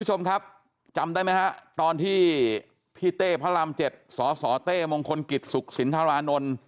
คุณผู้ชมครับจำได้ไหมฮะตอนที่พี่เต้พระราม๗สสเต้มงคลกิจสุขสินทรานนท์